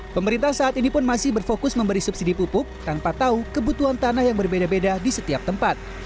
pemerintah saat ini pun masih berfokus memberi subsidi pupuk tanpa tahu kebutuhan tanah yang berbeda beda di setiap tempat